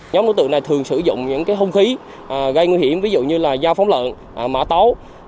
nhóm đối tượng này thường sử dụng những hung khí gây nguy hiểm ví dụ như là dao phóng lợn mã tấu